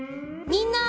みんな！